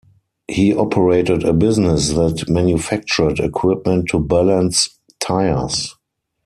He operated a business that manufactured equipment to balance tires.